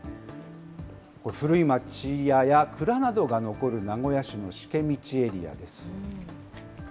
古い町屋や蔵などが残る名古屋市の四間道エリアです。